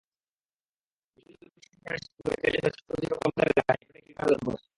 বিশ্ববিদ্যালয় প্রশাসনের সিদ্ধান্তকে চ্যালেঞ্জ করে চাকরিচ্যুত কর্মচারীরা হাইকোর্টে একটি রিট আবেদন করেন।